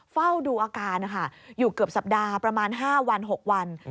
เฝ้าดูอาการนะคะอยู่เกือบสัปดาห์ประมาณ๕วัน๖วัน